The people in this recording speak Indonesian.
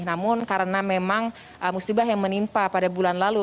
namun karena memang musibah yang menimpa pada bulan lalu